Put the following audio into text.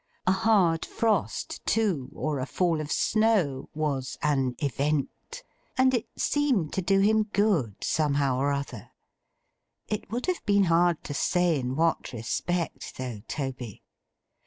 A hard frost too, or a fall of snow, was an Event; and it seemed to do him good, somehow or other—it would have been hard to say in what respect though, Toby!